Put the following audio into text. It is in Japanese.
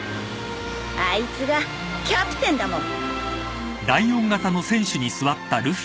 あいつがキャプテンだもん。